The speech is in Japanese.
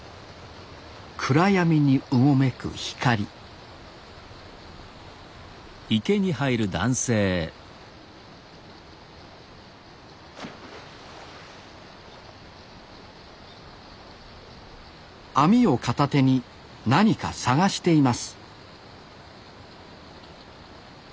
暗闇にうごめく光網を片手に何か探しています